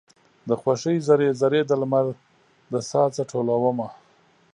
د خوښۍ ذرې، ذرې د لمر د ساه څه ټولومه